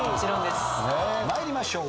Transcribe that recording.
参りましょう。